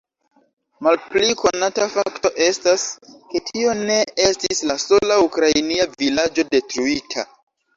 Malpli konata fakto estas, ke tio ne estis la sola ukrainia vilaĝo detruita.